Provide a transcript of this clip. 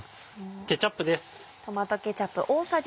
ケチャップです。